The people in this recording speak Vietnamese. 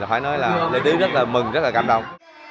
phải nói là lê tứ rất là mừng rất là cảm động